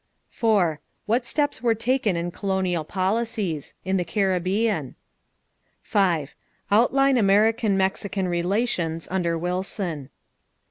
4. What steps were taken in colonial policies? In the Caribbean? 5. Outline American Mexican relations under Wilson.